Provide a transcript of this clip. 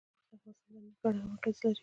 انګور د افغانستان د امنیت په اړه هم اغېز لري.